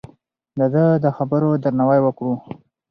د ده د خبرو درناوی وکړو.